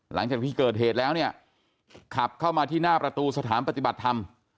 หลังจากที่เกิดเหตุแล้วเนี่ยขับเข้ามาที่หน้าประตูสถานปฏิบัติธรรม